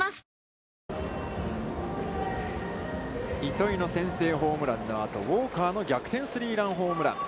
糸井の先制ホームランのあと、ウォーカーの逆転スリーランホームラン。